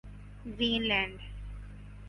green land